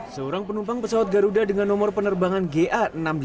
seorang penumpang pesawat garuda dengan nomor penerbangan ga enam ratus delapan puluh